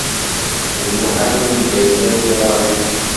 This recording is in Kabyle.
D lmuḥal ad mderkalen yiḍarren-iw.